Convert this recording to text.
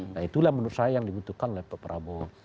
nah itulah menurut saya yang dibutuhkan oleh pak prabowo